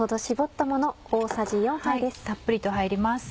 たっぷりと入ります。